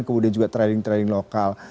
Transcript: kemudian juga trading trading lokal